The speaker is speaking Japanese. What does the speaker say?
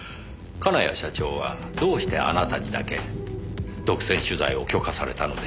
金谷社長はどうしてあなたにだけ独占取材を許可されたのでしょう？